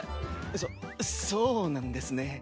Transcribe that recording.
そそうなんですね。